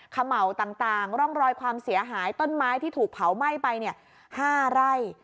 เขม่าต่างร่องรอยความเสียหายต้นไม้ที่ถูกเผาไหม้ไป๕ไร่